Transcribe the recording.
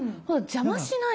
邪魔しない。